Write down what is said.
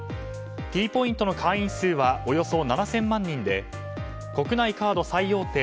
Ｔポイントの会員数はおよそ７０００万人で国内カード最大手